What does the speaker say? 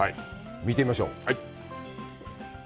見てみましょう。